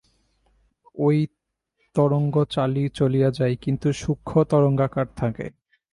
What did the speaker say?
ঐ তরঙ্গ চলিয়া যায়, কিন্তু সূক্ষ্ম-তরঙ্গাকার থাকে।